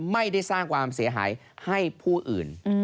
ไม่ได้สร้างความเสียหายให้ผู้อื่น